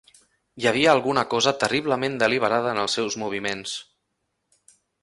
Hi havia alguna cosa terriblement deliberada en els seus moviments.